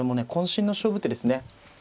渾身の勝負手ですね。